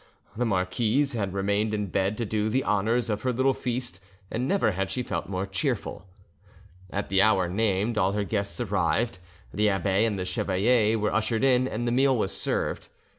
The marquise had remained in bed to do the honours of her little feast, and never had she felt more cheerful. At the hour named all her guests arrived; the abbe and the chevalier were ushered in, and the meal was served.